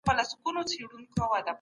تر مطلبه چي یاري وي د ښکاریانو